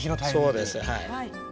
そうですはい。